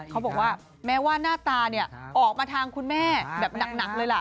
เขาบอกว่าแม้ว่าหน้าตาเนี่ยออกมาทางคุณแม่แบบหนักเลยล่ะ